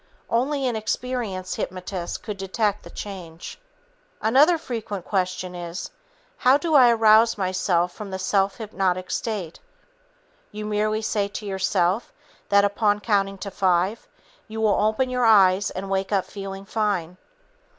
Only an experienced hypnotist could detect the change. Another frequent question is: "How do I arouse myself from the self hypnotic state?" You merely say to yourself that upon counting to five you will open your eyes and wake up feeling fine.